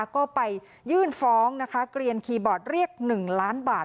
ก็ไปยื่นฟ้องนะคะเกลียนคีย์บอร์ดเรียก๑ล้านบาท